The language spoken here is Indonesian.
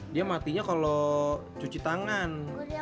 dia matinya kalau cuci tangan